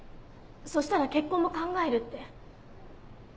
そしたら結婚も考えるって。